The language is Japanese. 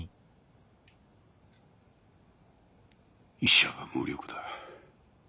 医者は無力だ。